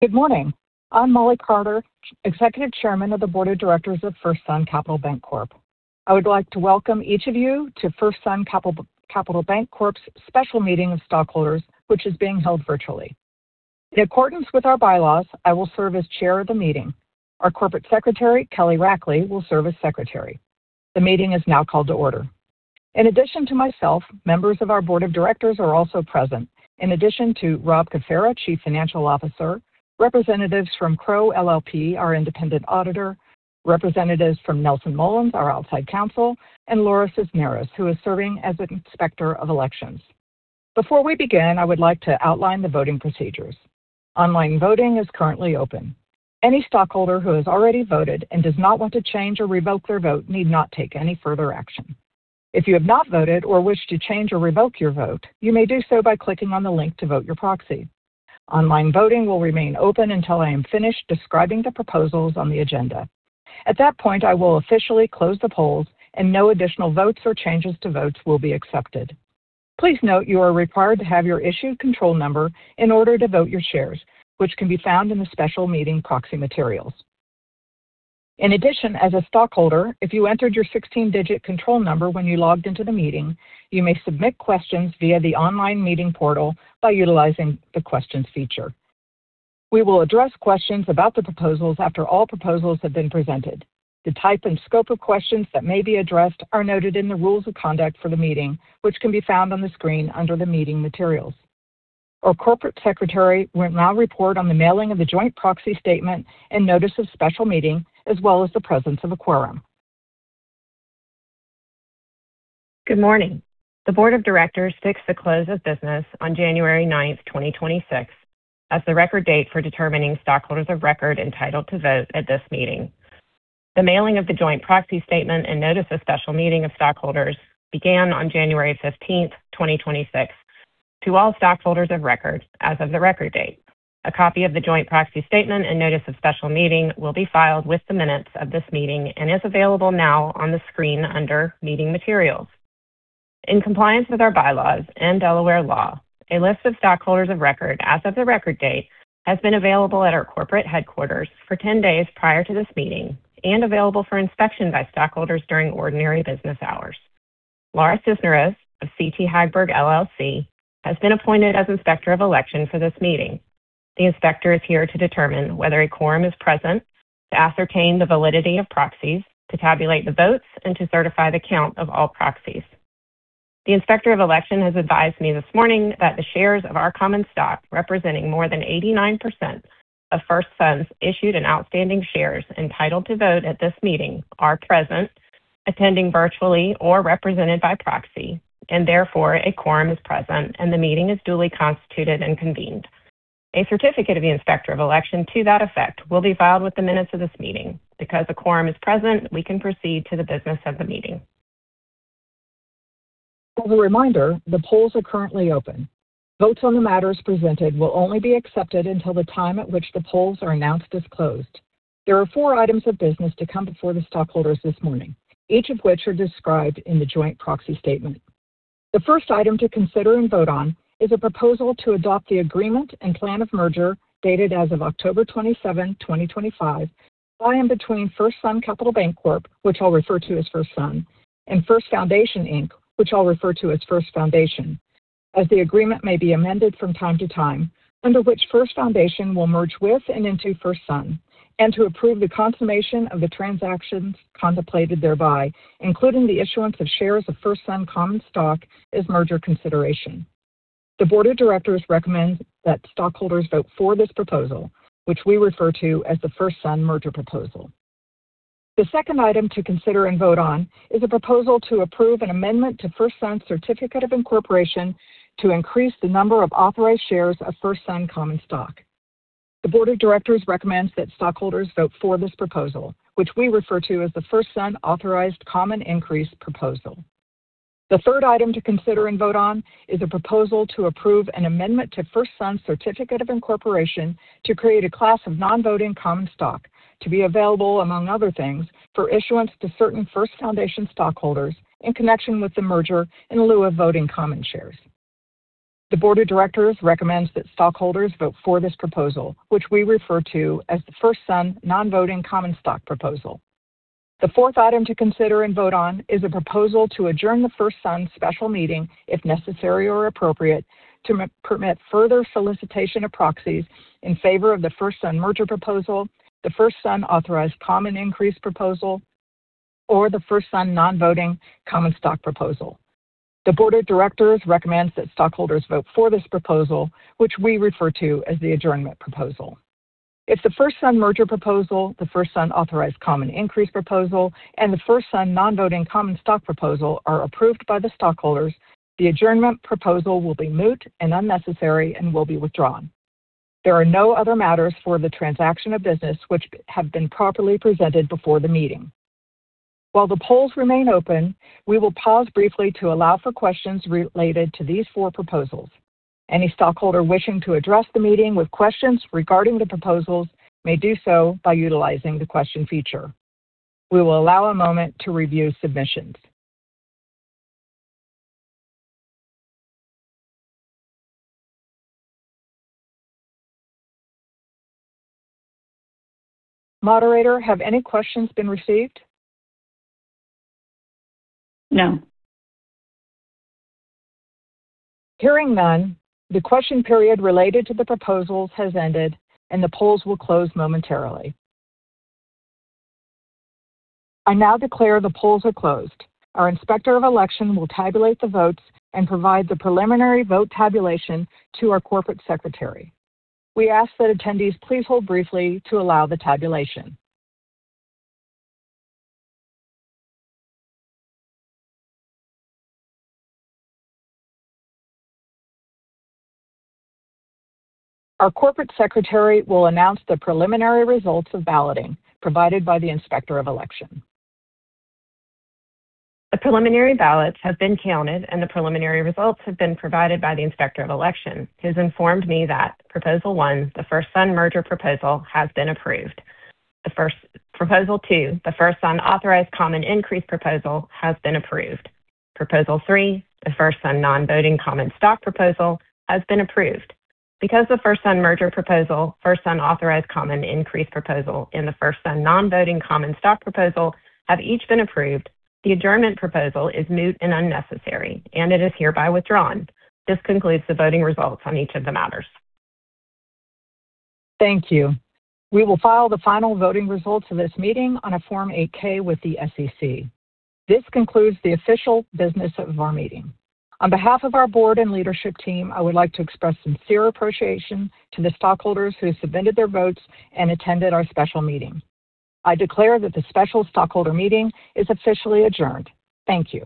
Good morning. I'm Mollie Carter, Executive Chairman of the Board of Directors of FirstSun Capital Bancorp. I would like to welcome each of you to FirstSun Capital Bancorp's special meeting of stockholders, which is being held virtually. In accordance with our bylaws, I will serve as chair of the meeting. Our Corporate Secretary, Kelly Rackley, will serve as secretary. The meeting is now called to order. In addition to myself, members of our board of directors are also present. In addition to Rob Caffera, Chief Financial Officer, representatives from Crowe LLP, our independent auditor, representatives from Nelson Mullins, our outside counsel, and Laura Cisneros, who is serving as Inspector of Elections. Before we begin, I would like to outline the voting procedures. Online voting is currently open. Any stockholder who has already voted and does not want to change or revoke their vote need not take any further action. If you have not voted or wish to change or revoke your vote, you may do so by clicking on the link to vote your proxy. Online voting will remain open until I am finished describing the proposals on the agenda. At that point, I will officially close the polls and no additional votes or changes to votes will be accepted. Please note, you are required to have your issue control number in order to vote your shares, which can be found in the special meeting proxy materials. In addition, as a stockholder, if you entered your 16-digit control number when you logged into the meeting, you may submit questions via the online meeting portal by utilizing the questions feature. We will address questions about the proposals after all proposals have been presented. The type and scope of questions that may be addressed are noted in the rules of conduct for the meeting, which can be found on the screen under the meeting materials. Our Corporate Secretary will now report on the mailing of the joint proxy statement and notice of special meeting, as well as the presence of a quorum. Good morning. The board of directors fixed the close of business on January 9th, 2026, as the record date for determining stockholders of record entitled to vote at this meeting. The mailing of the joint proxy statement and notice of special meeting of stockholders began on January 15th, 2026, to all stockholders of record as of the record date. A copy of the joint proxy statement and notice of special meeting will be filed with the minutes of this meeting and is available now on the screen under meeting materials. In compliance with our bylaws and Delaware law, a list of stockholders of record as of the record date, has been available at our corporate headquarters for 10 days prior to this meeting and available for inspection by stockholders during ordinary business hours. Laura Cisneros of CT Hagberg LLC, has been appointed as Inspector of Election for this meeting. The Inspector is here to determine whether a quorum is present, to ascertain the validity of proxies, to tabulate the votes, and to certify the count of all proxies. The Inspector of Election has advised me this morning that the shares of our common stock, representing more than 89% of FirstSun's issued and outstanding shares entitled to vote at this meeting, are present, attending virtually or represented by proxy, and therefore a quorum is present and the meeting is duly constituted and convened. A certificate of the Inspector of Election to that effect will be filed with the minutes of this meeting. Because a quorum is present, we can proceed to the business of the meeting. As a reminder, the polls are currently open. Votes on the matters presented will only be accepted until the time at which the polls are announced as closed. There are four items of business to come before the stockholders this morning, each of which are described in the joint proxy statement. The first item to consider and vote on is a proposal to adopt the Agreement and Plan of Merger, dated as of October 27, 2025, by and between FirstSun Capital Bancorp, which I'll refer to as FirstSun, and First Foundation Inc., which I'll refer to as First Foundation, as the agreement may be amended from time to time, under which First Foundation will merge with and into FirstSun, and to approve the consummation of the transactions contemplated thereby, including the issuance of shares of FirstSun common stock as merger consideration. The board of directors recommends that stockholders vote for this proposal, which we refer to as the FirstSun merger proposal. The second item to consider and vote on is a proposal to approve an amendment to FirstSun's certificate of incorporation to increase the number of authorized shares of FirstSun common stock. The board of directors recommends that stockholders vote for this proposal, which we refer to as the FirstSun Authorized Common Increase Proposal. The third item to consider and vote on is a proposal to approve an amendment to FirstSun's certificate of incorporation to create a class of non-voting common stock to be available, among other things, for issuance to certain First Foundation stockholders in connection with the merger in lieu of voting common shares. The board of directors recommends that stockholders vote for this proposal, which we refer to as the FirstSun Non-Voting Common Stock Proposal. The fourth item to consider and vote on is a proposal to adjourn the FirstSun special meeting, if necessary or appropriate, to permit further solicitation of proxies in favor of the FirstSun merger proposal, the FirstSun Authorized Common Increase Proposal, or the FirstSun Non-Voting Common Stock Proposal. The board of directors recommends that stockholders vote for this proposal, which we refer to as the adjournment proposal. If the FirstSun merger proposal, the FirstSun Authorized Common Increase Proposal, and the FirstSun Non-Voting Common Stock Proposal are approved by the stockholders, the adjournment proposal will be moot and unnecessary and will be withdrawn. There are no other matters for the transaction of business which have been properly presented before the meeting. While the polls remain open, we will pause briefly to allow for questions related to these four proposals. Any stockholder wishing to address the meeting with questions regarding the proposals may do so by utilizing the question feature. We will allow a moment to review submissions. Moderator, have any questions been received? No. Hearing none, the question period related to the proposals has ended, and the polls will close momentarily. I now declare the polls are closed. Our Inspector of Election will tabulate the votes and provide the preliminary vote tabulation to our Corporate Secretary. We ask that attendees please hold briefly to allow the tabulation. Our Corporate Secretary will announce the preliminary results of balloting provided by the Inspector of Election. The preliminary ballots have been counted, and the preliminary results have been provided by the Inspector of Election, who has informed me that Proposal One, the FirstSun Merger Proposal, has been approved. Proposal Two, the FirstSun Authorized Common Increase Proposal, has been approved. Proposal Three, the FirstSun Non-Voting Common Stock Proposal, has been approved. Because the FirstSun Merger Proposal, FirstSun Authorized Common Increase Proposal, and the FirstSun Non-Voting Common Stock Proposal have each been approved, the adjournment proposal is moot and unnecessary, and it is hereby withdrawn. This concludes the voting results on each of the matters. Thank you. We will file the final voting results of this meeting on a Form 8-K with the SEC. This concludes the official business of our meeting. On behalf of our board and leadership team, I would like to express sincere appreciation to the stockholders who submitted their votes and attended our special meeting. I declare that the special stockholder meeting is officially adjourned. Thank you.